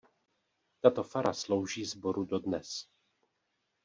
Tato fara slouží sboru dodnes.